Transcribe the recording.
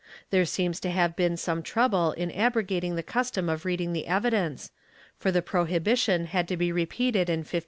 ^ There seems to have been some trouble in abrogating the custom of reading the evidence, for the prohibition had to be repeated in 1514.'